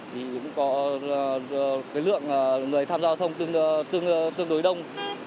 thì cũng có cái lượng người tham gia giao thông tương đối đông